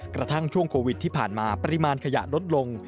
กระทั่งช่วงโควิดที่ผ่านมาปริมาณขยะลดลง